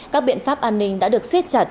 các biện pháp an ninh đã được xếp chặt